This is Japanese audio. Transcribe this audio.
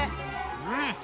うん！